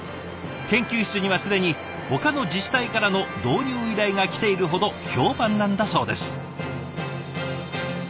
研究室には既にほかの自治体からの導入依頼が来ているほど評判なんだそうです。